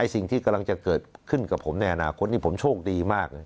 สิ่งที่กำลังจะเกิดขึ้นกับผมในอนาคตนี่ผมโชคดีมากเลย